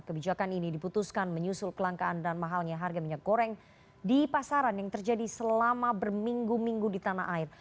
kebijakan ini diputuskan menyusul kelangkaan dan mahalnya harga minyak goreng di pasaran yang terjadi selama berminggu minggu di tanah air